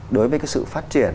đối với cái sự phát triển